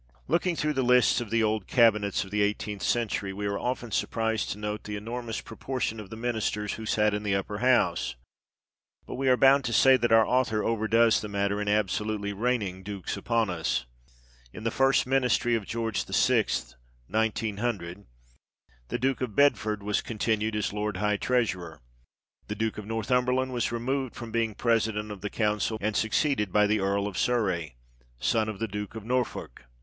Looking through the lists of the old cabinets of the eighteenth century, we are often surprised to note the enormous proportion of the ministers who sat in the Upper House. But we are bound to say that our author overdoes the matter in absolutely raining dukes upon THE EDITOR'S PREFACE. xvii us. In the first ministry of George VI. (1900), "the Duke of Bedford was continued as Lord High Treasurer. The Duke of Northumberland was removed from being president of the council, and succeeded by the Earl of Surrey (son of the Duke of Norfolk).